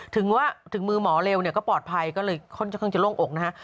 ถึงว่าถึงมือหมอเร็วเนี่ยก็ปลอดภัยก็เลยค่อนข้างจะโล่งอกนะฮะ